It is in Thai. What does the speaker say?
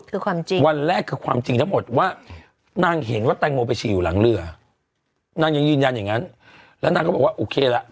คือความจริงวันแรกคือความจริงทั้งหมดว่านางเห็นว่าแตงโมไปฉี่อยู่หลังเรือนางยังยืนยันอย่างนั้นแล้วนางก็บอกว่าโอเคละ